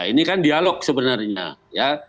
ini kan dialog sebenarnya